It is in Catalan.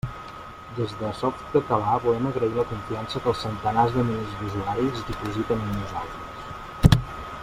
Des de Softcatalà volem agrair la confiança que els centenars de milers d'usuaris dipositen en nosaltres.